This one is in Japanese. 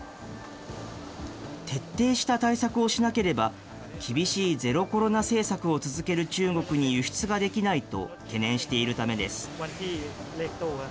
徹底した対策をしなければ、厳しいゼロコロナ政策を続ける中国に輸出ができないと、懸念しているためです。